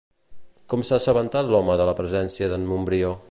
Com s'ha assabentat l'home de la presència d'en Montbrió?